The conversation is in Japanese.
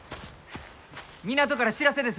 港から知らせです！